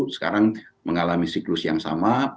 sekarang mengalami siklus yang sama